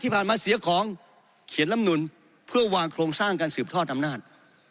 มาเสียของเขียนลำนุนเพื่อวางโครงสร้างการสืบทอดอำนาจ